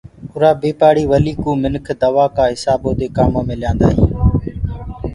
اُرآ بي پآڙهي ولي ڪوُ منک دو ڪآ هسآبودي ڪآمو مي ليندآ هينٚ۔